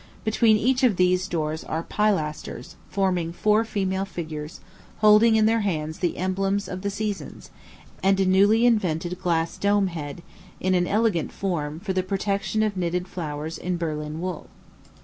Between each of these doors are pilasters, forming four female figures, holding in their hands the emblems of the seasons, and a newly invented glass dome head, in an elegant form, for the protection of knitted flowers in Berlin wool.